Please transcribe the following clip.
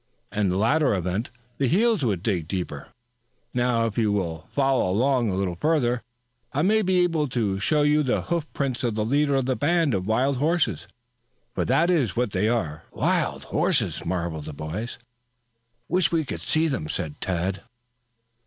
In the latter event, the heels would dig deeper. Now if you will follow along a little further I may be able to show you the hoofprints of the leader of the band of wild horses, for that is what they are " "Wild horses?" marveled the boys. "Wish we could see them," said Tad.